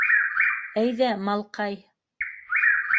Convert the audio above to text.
Әйҙә, малҡай!